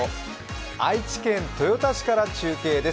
愛知県豊田市から中継です。